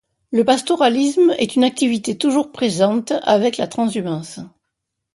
Le pastoralisme est une activité toujours présente avec la transhumance.